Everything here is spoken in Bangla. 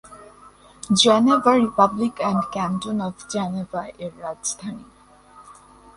Geneva republic and canton of জেনেভা-এর রাজধানী।